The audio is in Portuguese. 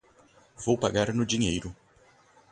Vou pagar no dinheiro.